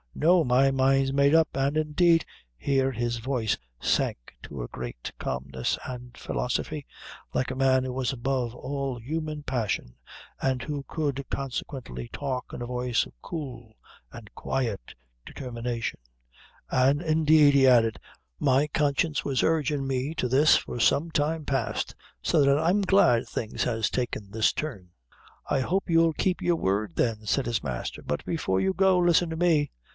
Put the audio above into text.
No my mind's made up an' indeed " here his voice sank to a great calmness and philosophy, like a man who was above all human passion, and who could consequently talk in a voice of cool and quiet determination; "An' indeed," he added, "my conscience was urgin' me to this for some time past so that I'm glad things has taken this turn." "I hope you'll keep your word, then," said his master, "but before you go, listen to me."